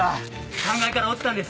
３階から落ちたんです。